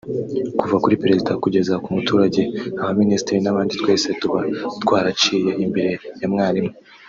kuva kuri Perezida kugera ku muturage abaminisitir n’abandi twese tuba twaraciye imbere ya mwalimu